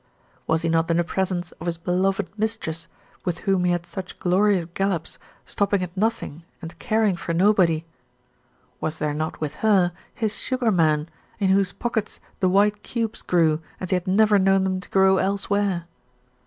Was he not in the presence of his beloved mistress, with whom he had such glorious gallops, stopping at nothing and caring for nobody? Was there not with her his Sugar Man, in whose pockets the white cubes grew as he had never known them to grow elsewhere?